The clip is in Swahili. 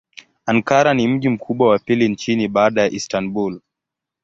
Ankara ni mji mkubwa wa pili nchini baada ya Istanbul.